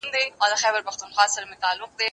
زه کولای سم بازار ته ولاړ سم!.